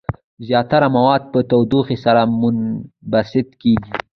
زیاتره مواد په تودوخې سره منبسط کیږي.